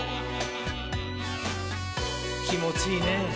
きもちいいねぇ。